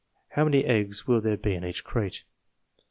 How many eggs will there be in each crate?